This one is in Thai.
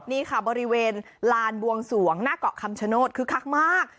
นี่ค่ะบริเวณลานบวงสวงหน้าเกาะคำชโนธคึกคักมาก